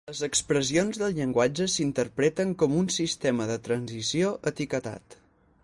Les expressions del llenguatge s'interpreten com un sistema de transició etiquetat.